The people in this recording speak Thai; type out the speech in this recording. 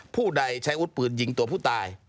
ผู้ใดใช้อาวุธปืนยิงตัวผู้ตาย